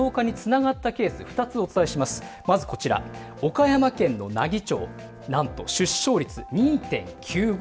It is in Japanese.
岡山県の奈義町なんと出生率２．９５。